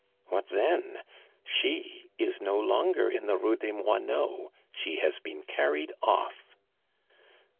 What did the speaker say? "What then? She is no longer in the Rue des Moineaux; she has been carried off."